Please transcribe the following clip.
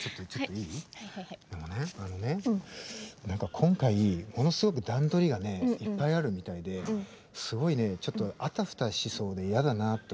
今回ものすごく段取りがいっぱいあるみたいですごいねあたふたしそうで嫌だなって思って。